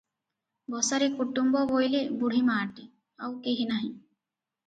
ବସାରେ କୁଟୁମ୍ବ ବୋଇଲେ ବୁଢ଼ୀ ମାଆଟି, ଆଉ କେହି ନାହିଁ ।